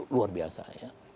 luar biasa ya